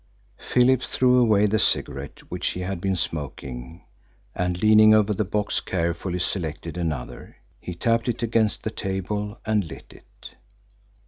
Philip threw away the cigarette which he had been smoking, and, leaning over the box, carefully selected another. He tapped it against the table and lit it.